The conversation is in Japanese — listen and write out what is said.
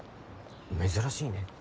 珍しいね。